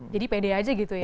jadi pede aja gitu ya